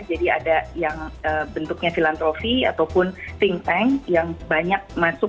jadi ada yang bentuknya filantropi ataupun think tank yang banyak masuk